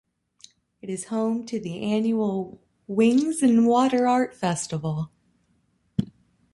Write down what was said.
It is home to the annual Wings 'n Water art festival.